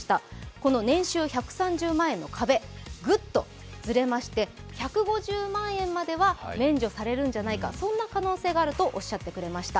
この年収１３０万円の壁、グッとずれまして、１５０万円までは免除されるのではないかと、そんな可能性があるとおっしゃってくれました。